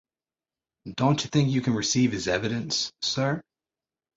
Don't you think you can receive his evidence, sir?